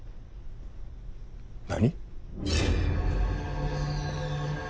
何！？